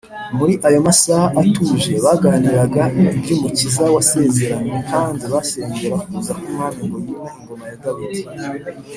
. Muri ayo masaha atuje baganiraga iby’Umukiza wasezeranywe, kandi basengera kuza k’Umwami ngo yime ingoma ya Dawidi